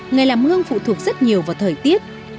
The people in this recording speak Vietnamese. người làm hương phụ thuộc rất nhiều vào thời tiết